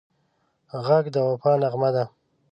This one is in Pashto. غږ د وفا نغمه ده